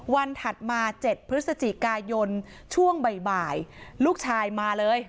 ถัดมา๗พฤศจิกายนช่วงบ่ายลูกชายมาเลย